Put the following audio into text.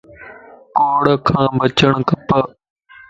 ڪوڙ کان بچڻ کپ